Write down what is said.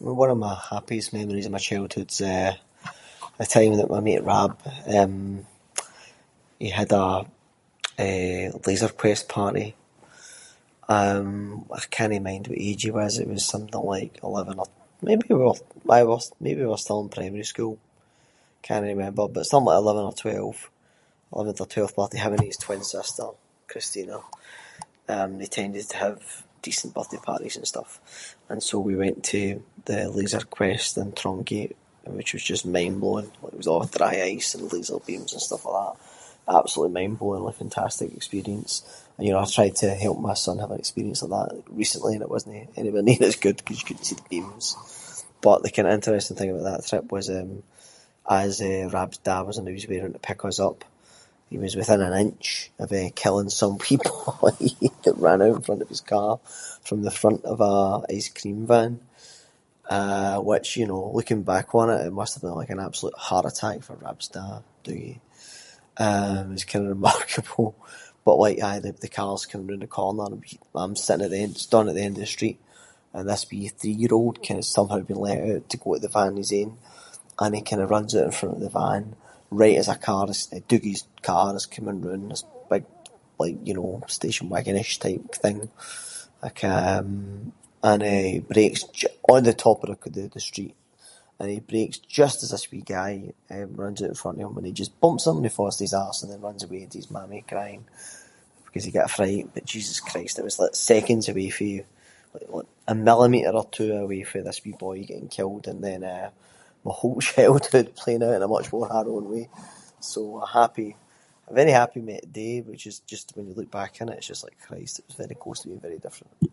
Well one of my happiest memories of my childhood is, eh, a time that my mate Rab, eh, he had a, eh, Laser Quest party, um, I cannae mind what age he was, it was something like eleven or maybe we were- aye maybe we were still in primary school. Cannae remember, but something like eleven or twelve. Eleventh or twelfth birthday, him and his twin sister Christina, um, they tended to have decent birthday parties and stuff. And so we went to the Laser Quest in Trongate, which was just mind-blowing, it was just a’ dry ice and laser beams and stuff like that. Absolutely mind-blowing, like fantastic experience. And you know I tried to help my son have an experience like that recently, and it wasnae anywhere near as good as that ‘cause you couldnae see the beams. But the kind of interesting thing about that trip was eh, as, eh, Rab’s dad was on his way to pick us up, he was within an inch of killing some people that ran out in front of his car from the front of an ice cream van. Eh which, you know, looking back on it, it must have been an absolute heart attack for Rab’s da, Dougie. Eh it was kind of remarkable, but like aye, the car was coming roond the corner, and I’m sitting at the end- standing at the end of the street and this wee three year old was somehow of let oot to go to the van on his own, and he kind of runs out in front of the van right as a car- Dougie’s car was coming roond, this big like you know station wagon-ish type thing, like a- and he breaks- on the top of the street- and he breaks just as this wee guy, eh runs out in front of him, and he just bumps him, and fa’s to his arse and runs away to his mammy crying, because he got a fright. But Jesus Christ, it was like seconds away fae, like a millimetre or two away fae this wee boy getting killed, and then eh a whole childhood playing out in a much more harrowing way, so what a happy- a very mem- happy day which is just when you look back on it, it’s just like Christ it was very close to being very different.